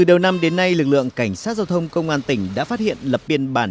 từ đầu năm đến nay lực lượng cảnh sát giao thông công an tỉnh đã phát hiện lập biên bản